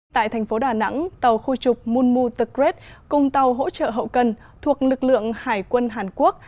tại thành phố đà nẵng tàu khu trục munmu the great cùng tàu hỗ trợ hậu cân thuộc lực lượng hải quân hàn quốc